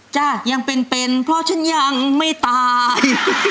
จ้ะยังเป็นเพราะฉันยังไม่ตาย